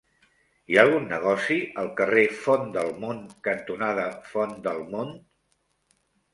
Hi ha algun negoci al carrer Font del Mont cantonada Font del Mont?